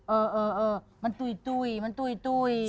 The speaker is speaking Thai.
เออมันตุ้ย